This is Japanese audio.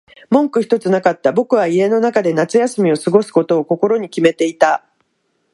文句ひとつなかった。僕は家の中で夏休みを過ごすことを心に決めていた。